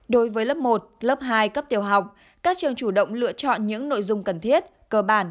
đối với lớp một lớp hai cấp tiểu học các trường chủ động lựa chọn những nội dung cần thiết cơ bản